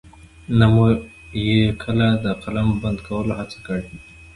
نه مو يې کله د قلم بند کولو هڅه کړې.